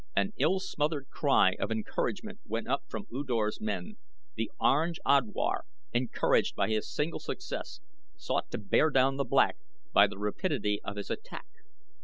An ill smothered cry of encouragement went up from U Dor's men; the Orange Odwar, encouraged by his single success, sought to bear down the Black by the rapidity of his attack.